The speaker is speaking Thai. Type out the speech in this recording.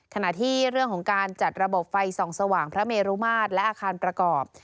ขณะที่เรื่องของการจัดระบบไฟส่องสว่างพระเมรุมาตรและอาคารประกอบ